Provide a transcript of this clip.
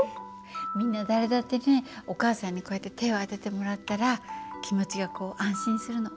みんな誰だってねお母さんにこうやって手を当ててもらったら気持ちがこう安心するの。